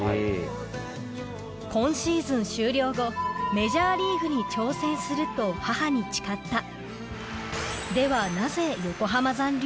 今シーズン終了後メジャーリーグに挑戦するとでは